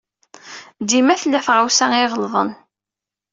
Dima tella tɣawsa iɣelḍen.